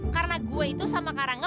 karena gue itu sama karanga